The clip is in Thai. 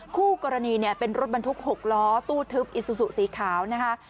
คู่กรณีเป็นรถบรรทุก๖ล้อตู้ทึบอิสุสุสีขาว